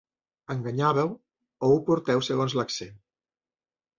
Enganyàveu o ho porteu, segons l'accent.